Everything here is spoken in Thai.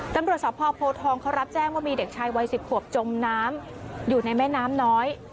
ตำรวจสพโพทองเขารับแจ้งว่ามีเด็กชายวัย๑๐ขวบจมน้ำอยู่ในแม่น้ำน้อย